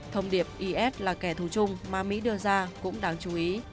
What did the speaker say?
thông điệp is là kẻ thù chung mà mỹ đưa ra cũng đáng chú ý